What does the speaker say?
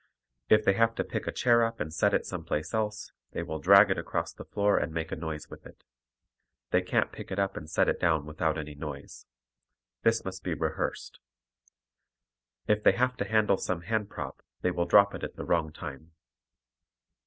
If they have to pick a chair up and set it some place else, they will drag it across the floor and make a noise with it. They can't pick it up and set it down without any noise. This must be rehearsed. If they have to handle some hand prop, they will drop it at the wrong time.